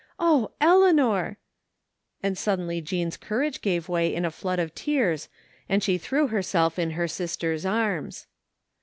Oh, Eleanor !" and sud denly Jean's courage gave way in a flood of tears and she threw herself in her sister's arms.